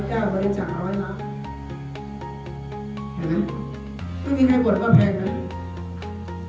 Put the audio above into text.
ร้อยแล้วเห็นไหมต้องมีใครบ่นกว่าแพงนั้น